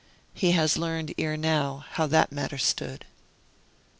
He has learned, ere now, how that matter stood.